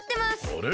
あれ？